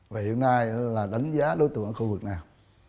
và hiện nay là đánh giá đối tượng ở khu vực nào